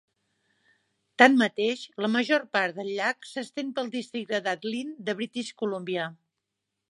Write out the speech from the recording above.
Tanmateix, la major part del llac s'estén pel districte d'Atlin de British Columbia.